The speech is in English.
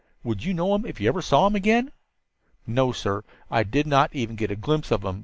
Would you know him if you ever saw him again?" "No, sir, I did not even get a glimpse of him.